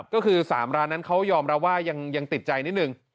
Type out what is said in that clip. ก็คือ๓ร้านนั้นเขายอมรับว่ายังติดใจนิดนึง